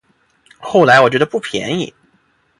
后来我觉得不便宜